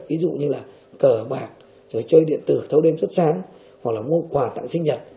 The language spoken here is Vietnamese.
ví dụ như là cờ bạc rồi chơi điện tử thấu đêm suốt sáng hoặc là mua quà tặng sinh nhật